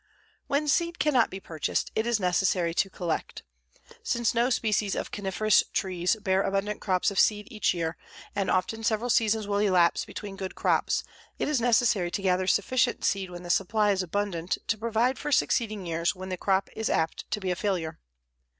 When seed cannot be purchased, it is necessary to collect. Since no species of coniferous trees bear abundant crops of seed each year and often several seasons will elapse between good crops, it is necessary to gather sufficient seed when the supply is abundant to provide for succeeding years when the crop is apt to be a failure.